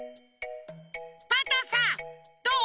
パンタンさんどう？